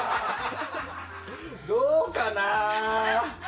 どうかな。